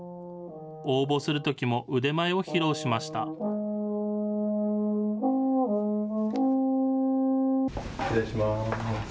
応募するときも、腕前を披露しました。